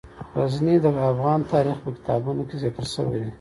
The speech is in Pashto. غزني د افغان تاریخ په کتابونو کې ذکر شوی دي.